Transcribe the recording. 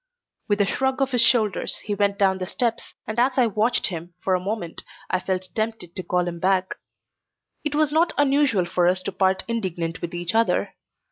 With a shrug of his shoulders he went down the steps, and as I watched him, for a moment I felt tempted to call him back. It was not unusual for us to part indignant with each other.